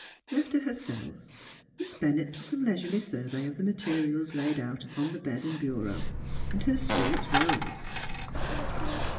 Left to herself, Miss Bennett took a leisurely survey of the materials laid out upon the bed and bureau, and her spirits rose.